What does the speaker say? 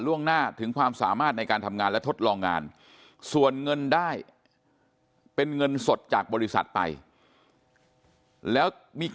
่งหน้าถึงความสามารถในการทำงานและทดลองงานส่วนเงินได้เป็นเงินสดจากบริษัทไปแล้วมี